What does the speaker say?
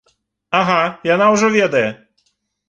Ага, яна ўжо ведае!